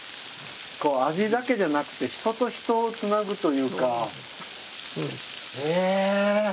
味だけじゃなくて人と人をつなぐというか。ね。